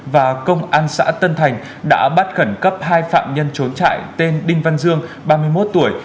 và công an xã tân thành đã bắt khẩn cấp hai phạm nhân trốn trại tên đinh văn dương ba mươi một tuổi